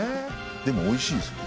でもおいしいですよ。